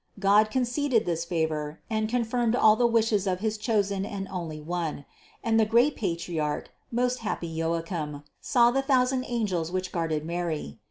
God conceded this favor and confirmed all the wishes of his chosen and only One; and the great patriarch, most happy Joachim, saw the thousand angels which guarded Mary.